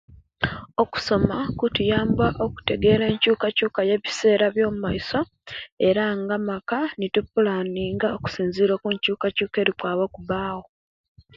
Okusoma kutuyamba okutegere enchukachuka eyebisera byomaiso era nga amaka ni tupulaninga okusinzirira kunchuchuka eyaaba okubawo